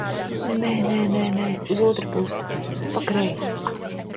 Nē, nē, nē uz otru pusi pa kreisi!